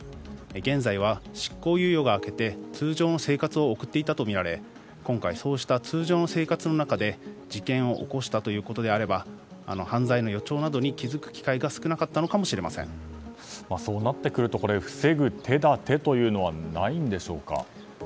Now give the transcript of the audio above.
現在は執行猶予が明けて通常の生活を送っていたとみられ今回、そうした通常の生活の中で事件を起こしたということであれば犯罪の予兆などに気づく機会がそうなってくると防ぐ手立てというのはないんでしょうか。